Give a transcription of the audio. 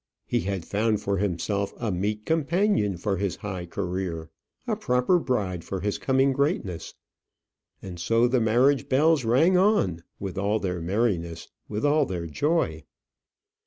He had found for himself a meet companion for his high career; a proper bride for his coming greatness. And so the marriage bells rang on, with all their merriness, with all their joy.